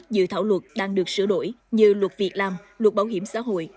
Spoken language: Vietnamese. dự thảo luật đang được sửa đổi như luật việc làm luật bảo hiểm xã hội